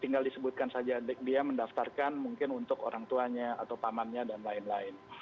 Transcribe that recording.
tinggal disebutkan saja dia mendaftarkan mungkin untuk orang tuanya atau pamannya dan lain lain